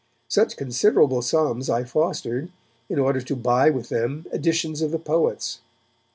Such considerable sums I fostered in order to buy with them editions of the poets.